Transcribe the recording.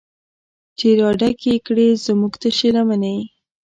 چې راډکې کړي زمونږ تشې لمنې